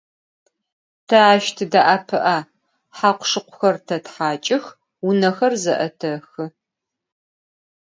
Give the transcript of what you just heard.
Te aş tıde'epı'e: hakhu – şşıkhuxer tethaç'ıx, vuner ze'etexı.